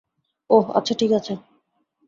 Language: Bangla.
ওহ, আচ্ছা ঠিক আছে।